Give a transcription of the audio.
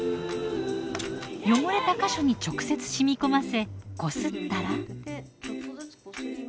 汚れた箇所に直接染み込ませこすったら。